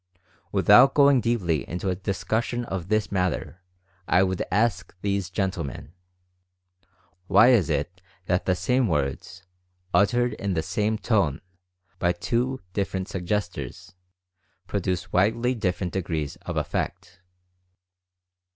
Without going deeply into a discussion of this matter, I would ask these gentlemen: Why is it that the same words, uttered in the same tone, by two different suggestors, produce widely different degrees of effect?